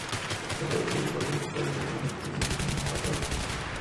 Esto provoca que el pozo desaparezca, tanto en el presente como en el pasado.